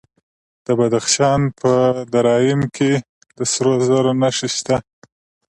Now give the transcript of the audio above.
د بدخشان په درایم کې د سرو زرو نښې شته.